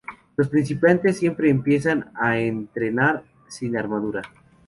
Los principiantes siempre empiezan a entrenar sin armadura.